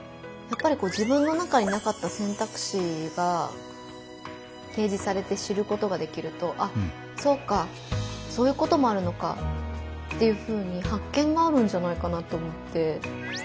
やっぱり自分の中になかった選択肢が提示されて知ることができるとあっそうかそういうこともあるのかっていうふうに発見があるんじゃないかなと思って。